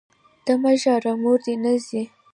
ته مه ژاړه ، موردي نه ځي!